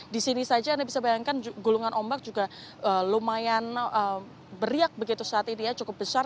di sini saja anda bisa bayangkan gulungan ombak juga lumayan beriak begitu saat ini ya cukup besar